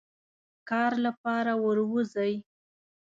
کار لپاره وروزی.